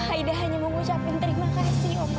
aida hanya mengucapkan terima kasih